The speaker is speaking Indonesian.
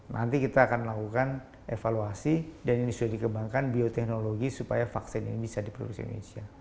nanti kita akan melakukan evaluasi dan ini sudah dikembangkan bioteknologi supaya vaksin ini bisa diproduksi di indonesia